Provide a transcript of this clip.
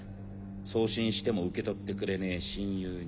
送信しても受け取ってくれねえ親友に。